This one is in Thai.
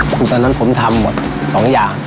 คือตอนนั้นผมทำหมดสองอย่าง